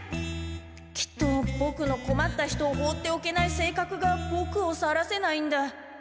きっとボクのこまった人を放っておけない性格がボクを去らせないんだ。